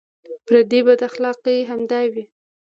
پردۍ بداخلاقۍ همدا وې.